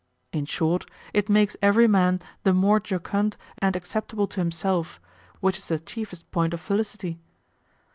In short, it makes every man the more jocund and acceptable to himself, which is the chiefest point of felicity.